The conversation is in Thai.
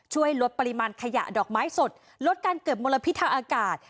ช่วยลดปริมาณขยะดอกไม้สดลดการเกิดมลพิษทางอากาศ